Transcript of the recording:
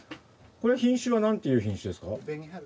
これ品種はなんていう品種ですか？